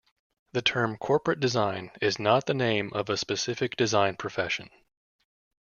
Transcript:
The term 'corporate design' is not the name of a specific design profession.